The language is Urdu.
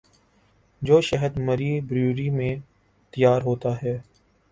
جو شہد مری بروری میں تیار ہوتا ہے۔